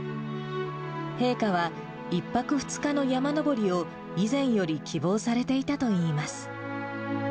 陛下は、１泊２日の山登りを以前より希望されていたといいます。